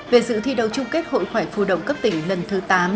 về dự thi đấu chung kết hội khỏe phụ đồng cấp tỉnh lần thứ tám